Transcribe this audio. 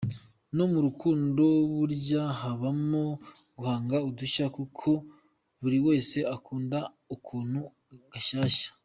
No mu rukundo burya habamo guhanga udushya kuko buri wese akunda akantu gashyashya.